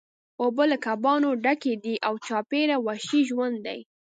اوبه له کبانو ډکې دي او چاپیره وحشي ژوند دی